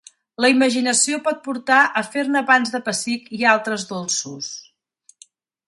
La imaginació pot portar a fer-ne pans de pessic i altres dolços.